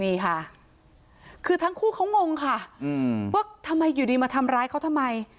นี่ค่ะคือทั้งคู่เขางงค่ะว่าทำไมอยู่ดีมาทำร้ายเขาทำไม